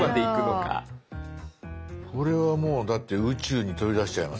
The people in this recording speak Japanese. これはもうだって宇宙に飛び出しちゃいますよ。